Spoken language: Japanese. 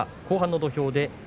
後半の土俵です。